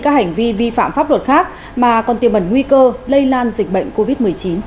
các hành vi vi phạm pháp luật khác mà còn tiêm ẩn nguy cơ lây lan dịch bệnh covid một mươi chín